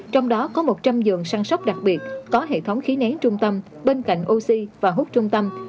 trong đó có một trăm linh giường săn sóc đặc biệt có hệ thống khí nén trung tâm bên cạnh oxy và hút trung tâm